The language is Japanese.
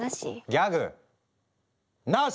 ギャグなし！